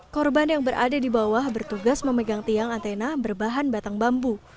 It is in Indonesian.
korban yang berada di bawah bertugas memegang tiang antena berbahan batang bambu